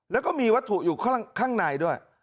แล้วก็มีวัตถุอยู่ข้างในด้วย